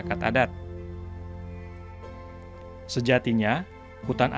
jikai beradat adalah bapak bagi orang iban yang berarti menyediakan segalanya